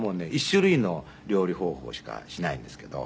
１種類の料理方法しかしないんですけど。